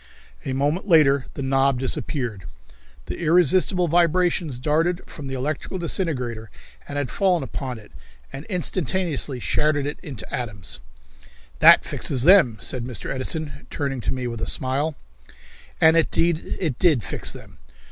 A moment later the knob disappeared. The irresistible vibrations darted from the electrical disintegrator and had fallen upon it and instantaneously shattered it into atoms. "That fixes them," said Mr. Edison, turning to me with a smile. And indeed it did fix them.